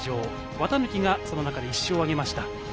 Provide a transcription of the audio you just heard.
綿貫がその中で１勝を挙げました。